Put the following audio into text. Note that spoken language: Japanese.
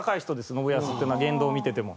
信康っていうのは言動を見てても。